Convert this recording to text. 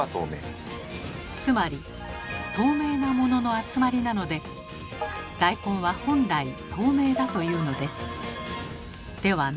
つまり透明なものの集まりなので大根は本来透明だというのです。